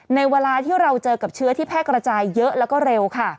เวลาที่เราเจอกับเชื้อที่แพร่กระจายเยอะแล้วก็เร็วค่ะ